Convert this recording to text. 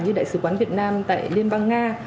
như đại sứ quán việt nam tại liên bang nga